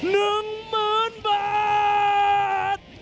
๑หมื่นบาท